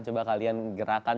coba kalian gerakan